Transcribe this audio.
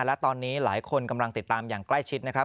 และตอนนี้หลายคนกำลังติดตามอย่างใกล้ชิดนะครับ